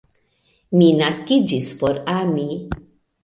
Mi naskiĝis por ami.